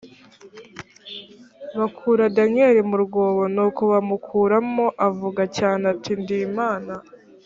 bakura daniyeli mu rwobo nuko bamukuramo avuga cyane ati ndimana